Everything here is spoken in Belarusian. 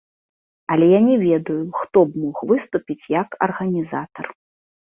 Але я не ведаю, хто б мог выступіць як арганізатар.